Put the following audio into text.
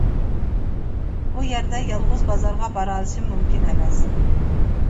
بۇ يەردە يالغۇز بازارغا بارالىشىم مۇمكىن ئەمەس.